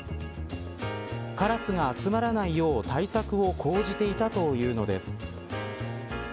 カラスが集まらないよう対策を講じていたというのです。